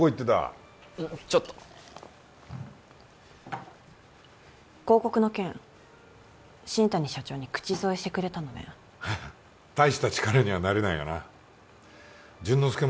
うんちょっと広告の件新谷社長に口添えしてくれたのね大した力にはなれないがな潤之